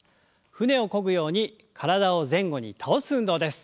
舟をこぐように体を前後に倒す運動です。